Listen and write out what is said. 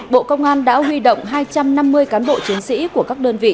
bộ công an đã huy động hai trăm năm mươi cán bộ chiến sĩ của các đơn vị